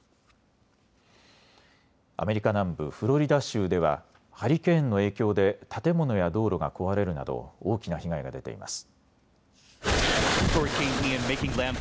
アメリカ南部フロリダ州ではハリケーンの影響で建物や道路が壊れるなど大きな被害が出ています。